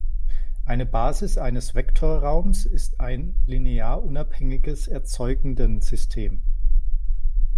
Eine Basis eines Vektorraums ist ein linear unabhängiges Erzeugendensystem.